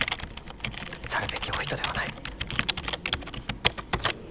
去るべきお人ではない。